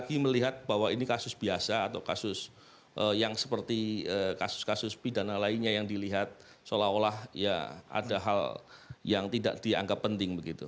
apalagi melihat bahwa ini kasus biasa atau kasus yang seperti kasus kasus pidana lainnya yang dilihat seolah olah ya ada hal yang tidak dianggap penting begitu